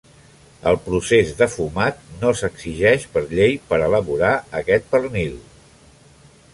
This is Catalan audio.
El procés de fumat no s'exigeix per llei per elaborar aquest pernil.